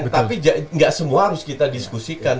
tapi nggak semua harus kita diskusikan